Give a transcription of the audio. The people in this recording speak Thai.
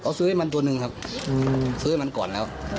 เขาซื้อให้มันตัวหนึ่งครับซื้อให้มันก่อนแล้ว